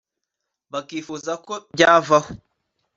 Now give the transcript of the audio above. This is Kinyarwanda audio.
bakifuza ko bwavaho